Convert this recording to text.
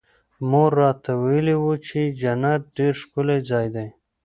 مور راته ويلي وو چې جنت ډېر ښکلى ځاى دى.